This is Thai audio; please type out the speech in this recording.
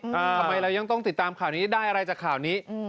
ทำไมเรายังต้องติดตามข่าวนี้ได้อะไรจากข่าวนี้